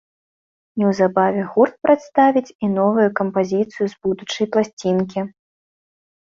Неўзабаве гурт прадставіць і новую кампазіцыю з будучай пласцінкі.